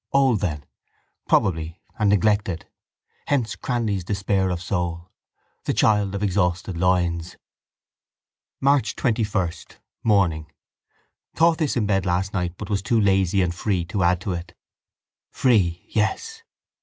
Old then. Probably, and neglected. Hence Cranly's despair of soul: the child of exhausted loins. March 21, morning. Thought this in bed last night but was too lazy and free to add to it. Free, yes.